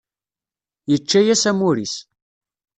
Yečča-yas amur-is.